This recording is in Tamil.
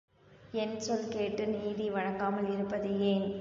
என் சொல் கேட்டு நீதி வழங்காமல் இருப்பது ஏன்?